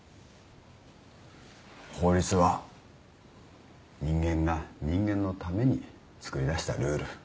法律は人間が人間のためにつくり出したルール。